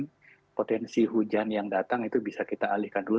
dan potensi hujan yang datang itu bisa kita alihkan dulu